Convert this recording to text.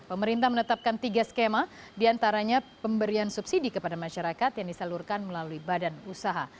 pemerintah menetapkan tiga skema diantaranya pemberian subsidi kepada masyarakat yang disalurkan melalui badan usaha